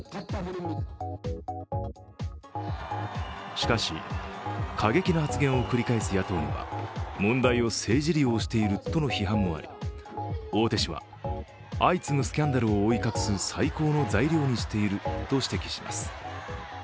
しかし、過激な発言を繰り返す野党には問題を政治利用しているとの批判もあり、大手紙は、相次ぐスキャンダルを覆い隠す最高の材料にしていると指摘します。